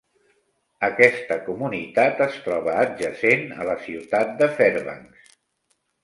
Aquesta comunitat es troba adjacent a la ciutat de Fairbanks.